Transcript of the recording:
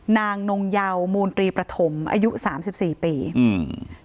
นางนงเยามูลตรีประถมอายุสามสิบสี่ปีอืม